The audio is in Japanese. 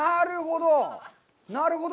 なるほど。